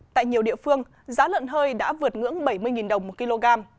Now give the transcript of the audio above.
tại nhiều địa phương giá lợn hơi đã vượt ngưỡng bảy mươi đồng một kg